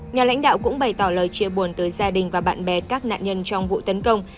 nhà lãnh đạo cũng bày tỏ lời chia buồn tới gia đình và bạn bè các nạn nhân trong vụ tấn công